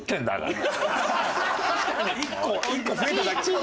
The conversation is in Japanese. １個増えただけ。